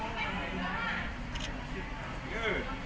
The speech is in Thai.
กลับไป